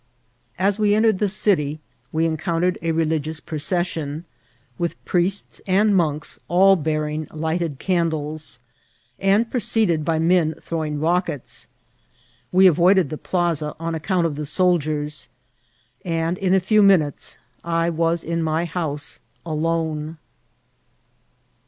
As we entered the city we encountered a reli gious procession, with priests and monks all bearing lighted candles, and preceded by men throwing rock ets. We avoided the plaza on account of the soldiers, and in a few minutes I was in my house, alone.